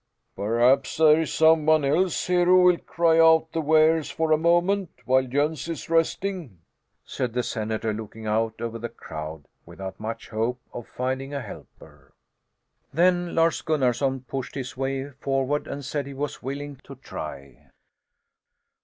"Perhaps there is some one here who will cry out the wares for a moment, while Jöns is resting?" said the senator, looking out over the crowd without much hope of finding a helper. Then Lars Gunnarson pushed his way forward and said he was willing to try.